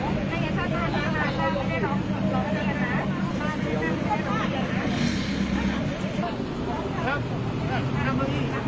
ตอนอนุทินน่ะอนุทินน่ะรู้จักไหมที่จะไม่เป็นใหญ่ประตูน่ะ